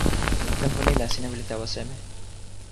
tenpo ni la sina wile tawa seme?